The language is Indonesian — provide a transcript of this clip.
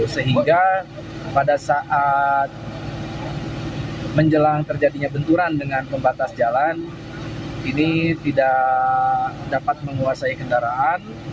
sehingga pada saat menjelang terjadinya benturan dengan pembatas jalan ini tidak dapat menguasai kendaraan